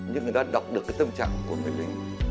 nhưng người ta đọc được cái tâm trạng này